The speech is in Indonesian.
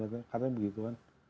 karena begitu kan